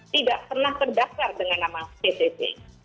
tidak pernah terdaftar dengan nama ptp